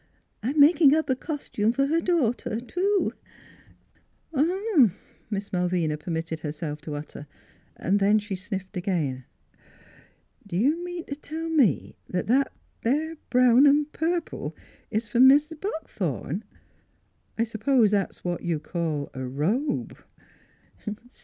I'm making up a costume for her daughter, too." "Uh huh," Miss Malvina permitted herself to utter. Then she sniffed again. " Do you .mean t' tell me that there brown an' purple is for Mis' Buckthorn? I s'pose that's what you call a robe."